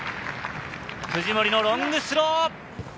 藤森のロングスロー。